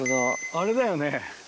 あれだよね。